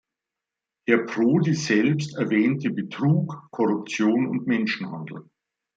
Herr Prodi selbst erwähnte Betrug, Korruption und Menschenhandel.